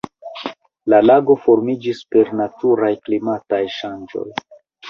La lago formiĝis per naturaj klimataj ŝanĝoj.